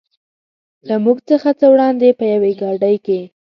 له موږ څخه لږ څه وړاندې په یوې ګاډۍ کې.